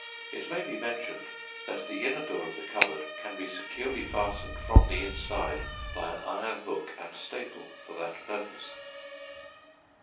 It may be mentioned that the inner door of the cupboard can be securely fastened from the inside by an iron hook and staple for that purpose.